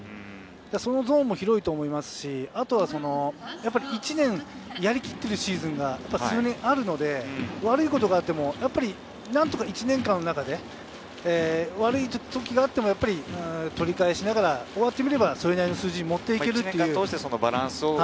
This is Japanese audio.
そのゾーンも広いと思いますし、１年やりきっているシーズンがあるので、悪いことがあっても何とか１年間の中で、悪い時があっても取り返しながら、終わってみればそれなりの数字に持っていける。